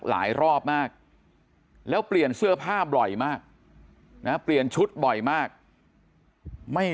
รอบมากแล้วเปลี่ยนเสื้อผ้าบ่อยมากนะเปลี่ยนชุดบ่อยมากไม่